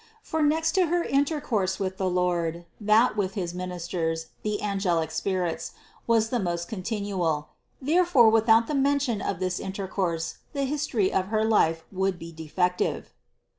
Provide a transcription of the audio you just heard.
For next to her intercourse with the Lord, that with his ministers, the angelic spirits, was the most con tinual. Therefore without the mention of this intercourse the history of her life would be defective.